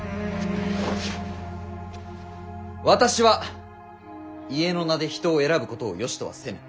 私は家の名で人を選ぶことをよしとはせぬ。